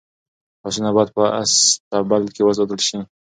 اسونه باید په اصطبل کي وساتل شي.